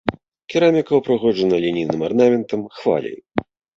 Кераміка ўпрыгожана лінейным арнаментам, хваляй.